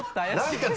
何か。